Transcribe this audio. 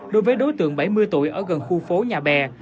đối với đối tượng bảy mươi tuổi ở gần khu phố nhà bè